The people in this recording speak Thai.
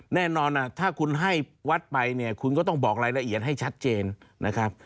แน่นอนถ้าคุณให้วัดไปเนี่ยคุณก็ต้องบอกรายละเอียดให้ชัดเจนนะครับ